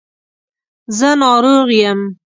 زه ناروغ یم